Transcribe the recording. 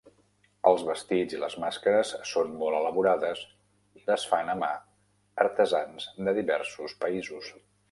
Els vestits i les màscares són molt elaborades i les fan a mà artesans de diversos països.